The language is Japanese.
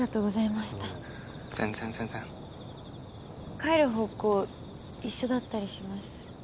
帰る方向一緒だったりします？